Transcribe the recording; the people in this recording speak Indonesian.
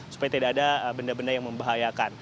supaya tidak ada benda benda yang membahayakan